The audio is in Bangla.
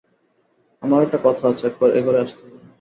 আমার একটা কথা আছে, একবার এ ঘরে আসতে হবে।